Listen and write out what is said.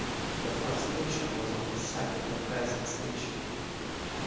The first station was on the site of the present station.